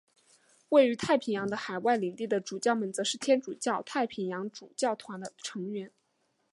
而位于太平洋的海外领地的主教们则是天主教太平洋主教团的成员。